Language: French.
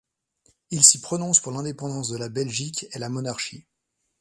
Il s'y prononce pour l'indépendance de la Belgique et la monarchie.